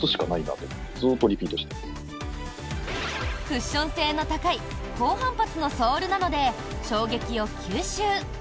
クッション性の高い高反発のソールなので衝撃を吸収。